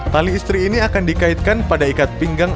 tali istri ini akan dikaitkan pada ikat pinggang